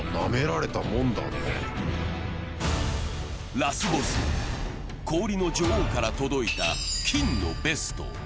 ラスボス・氷の女王から届いた金のベスト。